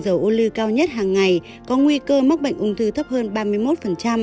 dầu ô lưu cao nhất hàng ngày có nguy cơ mắc bệnh ung thư thấp hơn ba mươi một